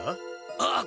あっ。